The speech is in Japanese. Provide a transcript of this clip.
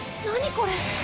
これ！